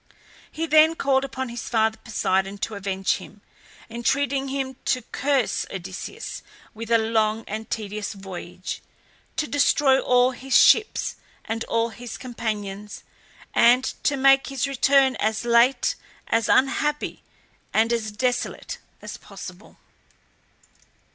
He then called upon his father Poseidon to avenge him, entreating him to curse Odysseus with a long and tedious voyage, to destroy all his ships and all his companions, and to make his return as late, as unhappy, and as desolate as possible.